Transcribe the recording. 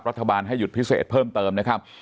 รัฐบาลให้หยุดพิเศษเพิ่มเติมนะครับ